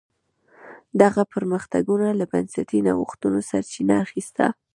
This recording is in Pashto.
دغه پرمختګونو له بنسټي نوښتونو سرچینه اخیسته.